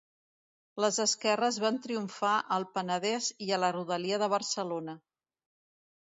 Les esquerres van triomfar al Penedès i a la rodalia de Barcelona.